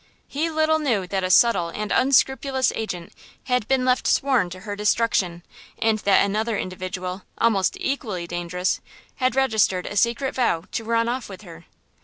He little knew that a subtle and unscrupulous agent had been left sworn to her destruction, and that another individual, almost equally dangerous, had registered a secret vow to run off with her.